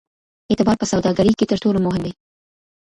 اعتبار په سوداګرۍ کې تر ټولو مهم دی.